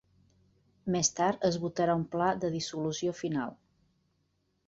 Més tard es votarà un pla de dissolució final.